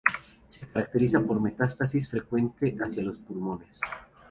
Se caracteriza por metástasis frecuente hacia los pulmones.